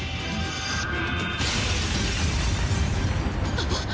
あっ！